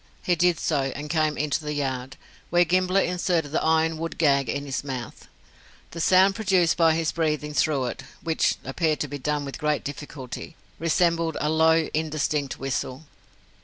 He did so, and came into the yard, where Gimblett inserted the iron wood gag in his mouth. The sound produced by his breathing through it (which appeared to be done with great difficulty) resembled a low, indistinct whistle.